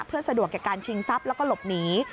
เพื่อสะดวกกับการชิงทรัพย์แล้วก็หลบหนี